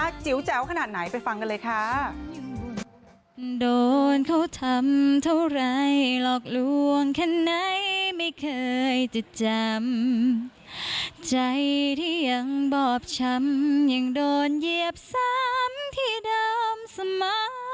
ไอเจ๊ยูแจ๊วขนาดไหนไปฟังกันเลยค้า